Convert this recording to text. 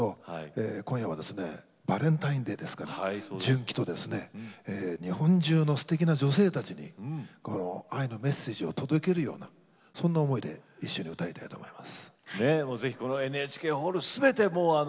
今夜はバレンタインデーですから純喜と、日本中のすてきな女性たちに愛のメッセージを届けるようなそんな思いで一緒に歌いたいと思います。